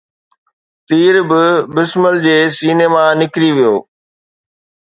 تير به بسمل جي سيني مان نڪري ويو